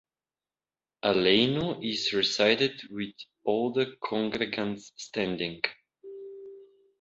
"Aleinu" is recited with all the congregants standing.